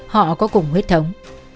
họ có cùng huyết thống